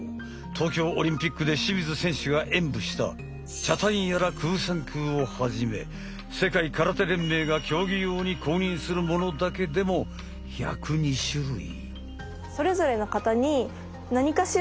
東京オリンピックで清水選手が演武したチャタンヤラ・クーサンクーをはじめ世界空手連盟が競技用に公認するものだけでも１０２種類。